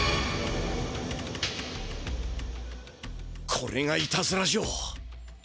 これがいたずら城。